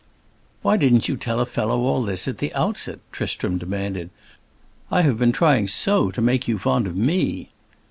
"Why didn't you tell a fellow all this at the outset?" Tristram demanded. "I have been trying so to make you fond of me!"